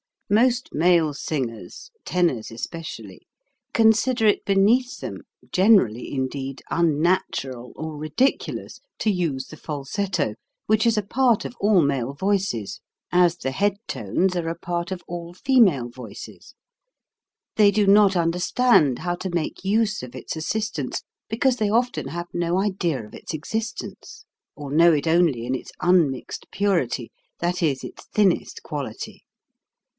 Most male singers tenors especially consider it beneath them, generally, indeed, unnatural or ridiculous, to use the falsetto, which is a part of all male voices, as the head 166 HOW TO SING tones are a part of all female voices. They do not understand how to make use of its assist ance, because they often have no idea of its existence, or know it only in its unmixed purity that is, its thinnest quality.